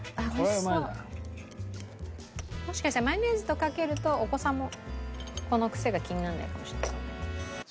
もしかしたらマヨネーズとかけるとお子さんもこのクセが気にならないかもしれない。